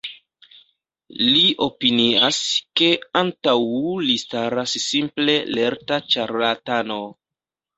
Li opinias, ke antaŭ li staras simple lerta ĉarlatano.